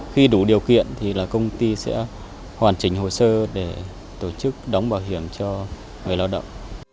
khi đủ điều kiện thì là công ty sẽ hoàn chỉnh hồ sơ để tổ chức đóng bảo hiểm cho người lao động